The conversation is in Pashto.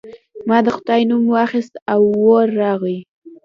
ما د خدای نوم واخیست او اور راغی.